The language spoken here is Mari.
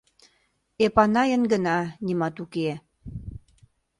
Эпанайын гына нимат уке.